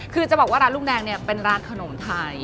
คือจะบอกว่าร้านลูกแดงเนี่ยเป็นร้านขนมไทย